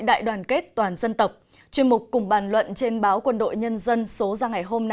đại đoàn kết cội nguồn sức mạnh